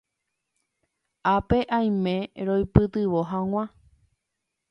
ápe aime roipytyvõ hag̃ua